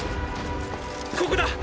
ここだ！